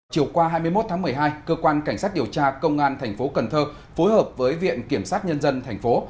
chiều qua hai mươi một tháng một mươi hai cơ quan cảnh sát điều tra công an thành phố cần thơ phối hợp với viện kiểm sát nhân dân thành phố